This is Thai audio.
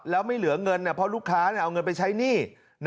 แล้วไม่เหลือเงินเพราะลูกค้าเอาเงินไปใช้หนี้